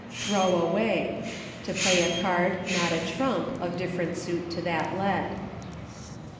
Throw Away. To play a card, not a trump, of different suit to that led.